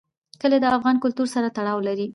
کلي د افغان کلتور سره تړاو لري.